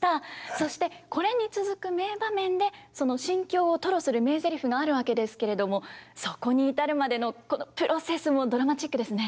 そしてこれに続く名場面でその心境を吐露する名ゼリフがあるわけですけれどもそこに至るまでのこのプロセスもドラマチックですね。